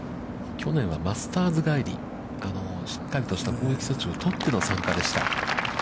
去年はマスターズ帰り、しっかりとした防疫措置をとっての参加でした。